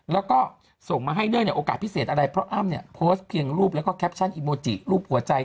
แล้วก็ส่งมาให้เนื่องในโอกาสพิเศษอะไรเพราะอ้ำเนี่ยโพสต์เพียงรูปแล้วก็แคปชั่นอีโมจิรูปหัวใจ